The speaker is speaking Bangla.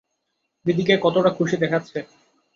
দিদিকে কতটা খুশি দেখাচ্ছে।